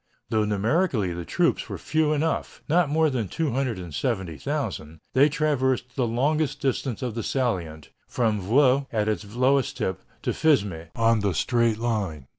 Though numerically the troops were few enough, not more than 270,000, they traversed the longest distance of the salient, from Vaux, at its lowest tip, to Fismes, on the straight line.